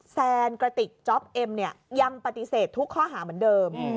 แซนกระติกจ๊อปเอ็มเนี่ยยังปฏิเสธทุกข้อหาเหมือนเดิม